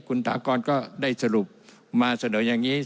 คุณถากรก็ได้สรุปมาเสนออย่างนี้